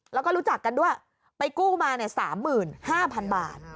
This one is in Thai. แล้วก็รู้จักกันด้วยไปกู้มา๓๕๐๐๐บาท